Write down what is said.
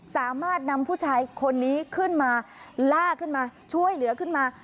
สามารถนำผู้ชายคนนี้ขึ้นมาลากขึ้นมาช่วยเหลือขึ้นมา